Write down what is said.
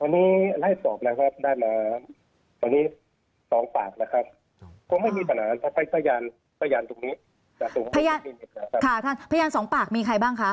รไล่สอบใดหน้า๒ปากคงไม่มีสนานเข้าไปพยานสองปากพยานสองปากของใครบ้างคะ